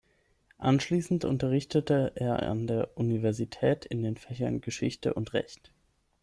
Anschließend unterrichtete er an der Universität in den Fächern Geschichte und Recht.